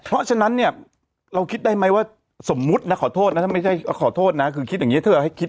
เพราะฉะนั้นเนี่ยเราคิดได้ไหมว่าสมมุตินะขอโทษนะถ้าไม่ใช่ขอโทษนะคือคิดอย่างนี้ถ้าเราให้คิด